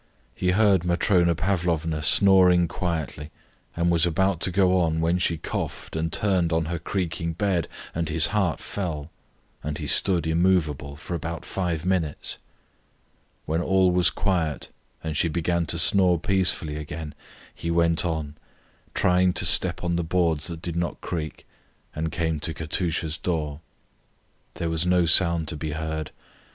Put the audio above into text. He heard Matrona Pavlovna snoring quietly, and was about to go on when she coughed and turned on her creaking bed, and his heart fell, and he stood immovable for about five minutes. When all was quiet and she began to snore peacefully again, he went on, trying to step on the boards that did not creak, and came to Katusha's door. There was no sound to be heard.